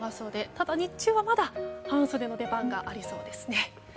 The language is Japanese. ただ日中はまだ半袖の出番がありそうですね。